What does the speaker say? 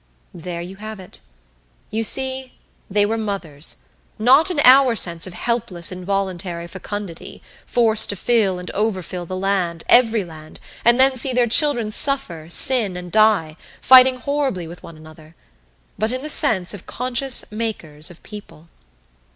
There you have it. You see, they were Mothers, not in our sense of helpless involuntary fecundity, forced to fill and overfill the land, every land, and then see their children suffer, sin, and die, fighting horribly with one another; but in the sense of Conscious Makers of People.